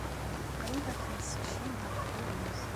Qrib ad k-nessekcem ɣer tkurmut.